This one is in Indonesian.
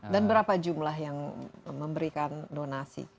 berapa jumlah yang memberikan donasi